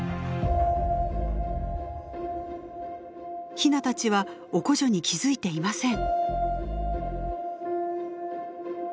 ヒナたちはオコジョに気付いていません。